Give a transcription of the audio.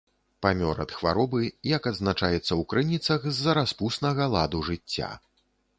Памёр ад хваробы, як адзначаецца ў крыніцах, з-за распуснага ладу жыцця.